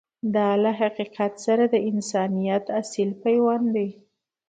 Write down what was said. دا له حقیقت سره د انسانیت اصیل پیوند دی.